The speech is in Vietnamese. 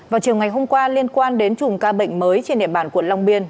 vào chiều ngày hôm qua liên quan đến chùm ca bệnh mới trên địa bàn quận long biên